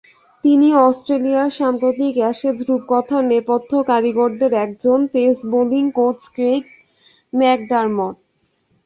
তিনি অস্ট্রেলিয়ার সাম্প্রতিক অ্যাশেজ রূপকথার নেপথ্য কারিগরদের একজন—পেস বোলিং কোচ ক্রেইগ ম্যাকডারমট।